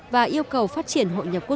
và yêu cầu phát triển